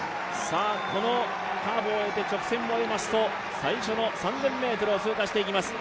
このカーブを終えて、直線も終えますと、最初の３０００ｍを通過していきます。